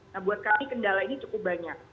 nah buat kami kendala ini cukup banyak